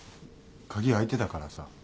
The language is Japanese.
鍵開いてたからさ。